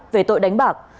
về tội đánh bạc